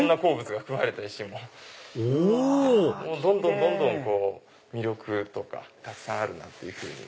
どんどん魅力とかたくさんあるなっていうふうに。